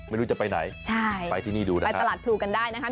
ไม่รู้จะไปไหนไปที่นี่ดูนะครับไปตลาดพลูกันได้นะครับ